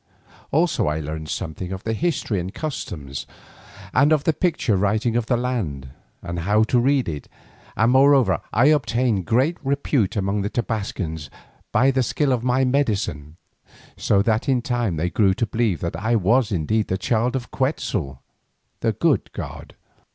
Also I learned something of the history and customs, and of the picture writing of the land, and how to read it, and moreover I obtained great repute among the Tobascans by my skill in medicine, so that in time they grew to believe that I was indeed a child of Quetzal, the good god.